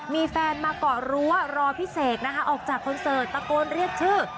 มีแฟนมาเกาะรั้วรอพี่เสกนะคะออกจากคอนเสิร์ตตะโกนเรียกชื่อ